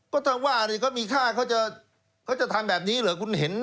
ก็ถ้าว่านี่ก็มีค่าเขาจะทำแบบนี้หรือยัง